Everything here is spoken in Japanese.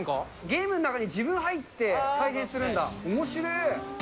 ゲームの中に自分入って、対戦するんだ。